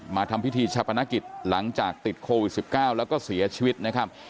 ทำพิธีชาปนกิจหลังจากติดโควิด๑๙แล้วก็เสียชีวิตนะครับ